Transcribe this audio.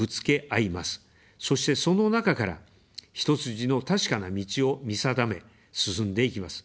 そして、その中から、一筋の確かな道を見定め、進んでいきます。